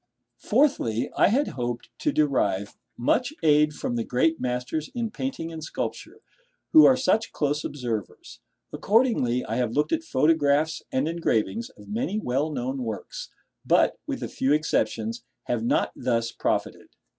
Fourthly, I had hoped to derive much aid from the great masters in painting and sculpture, who are such close observers. Accordingly, I have looked at photographs and engravings of many well known works; but, with a few exceptions, have not thus profited.